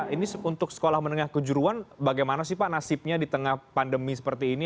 ini untuk sekolah menengah kejuruan bagaimana sih pak nasibnya di tengah pandemi seperti ini